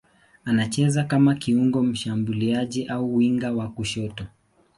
Anacheza kama kiungo mshambuliaji au winga wa kushoto.